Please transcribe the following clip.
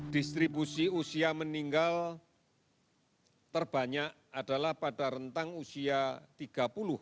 distribusi usia meninggal terbanyak adalah pada rentang usia tiga puluh lima puluh sembilan tahun